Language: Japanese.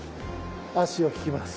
足を引きます。